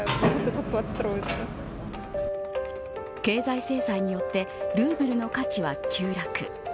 経済制裁によってルーブルの価値は急落。